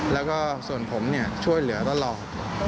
แล้วก็ส่วนผมช่วยเหลือตลอด